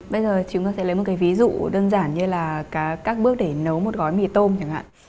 bây giờ chúng ta thấy lấy một cái ví dụ đơn giản như là các bước để nấu một gói mì tôm chẳng hạn